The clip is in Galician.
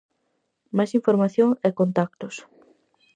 Máis información e contactos.